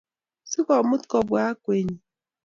Si komut kobwa akwennyi